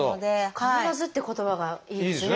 「必ず」って言葉がいいですね。